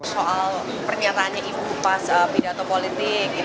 soal pernyataannya ibu pas pidato politik